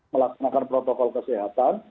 melaksanakan protokol kesehatan